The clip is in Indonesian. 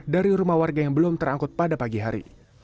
dari rumah warga yang belum terangkut pada pagi hari